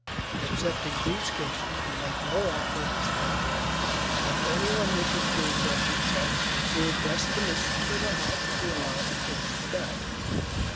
Excepting these cases, we make no offer of this kind. If any one wishes to refresh himself, he requests the mistress of the house to allow him to ring the bell.